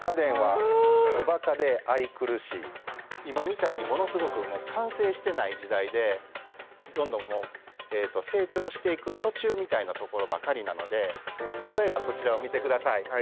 今みたいにものすごく完成してない時代でどんどんもうえと成長していく途中みたいなところばかりなので例えばこちらを見てください